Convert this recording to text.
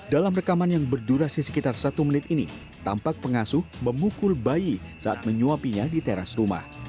dalam rekaman yang berdurasi sekitar satu menit ini tampak pengasuh memukul bayi saat menyuapinya di teras rumah